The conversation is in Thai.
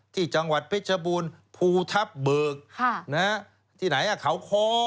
ที่จังหวัดพิจบุญภูทับเบิกที่ไหนอ่ะเขาคอ